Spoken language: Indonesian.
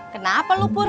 kenapa lu pur